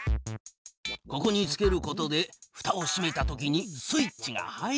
ここにつけることでふたをしめたときにスイッチが入るのじゃ。